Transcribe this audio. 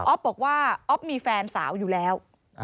บอกว่าอ๊อฟมีแฟนสาวอยู่แล้ว